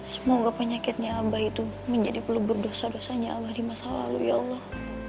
semoga penyakitnya abah itu menjadi pelebur dosa dosanya allah di masa lalu ya allah